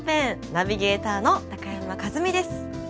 ナビゲーターの高山一実です。